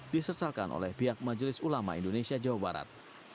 disesalkan oleh pihak majelis ulama indonesia jawa barat